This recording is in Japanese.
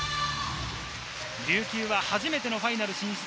琉球は初めてのファイナル進出。